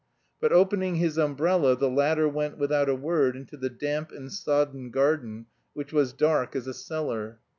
But opening his umbrella the latter went without a word into the damp and sodden garden, which was dark as a cellar.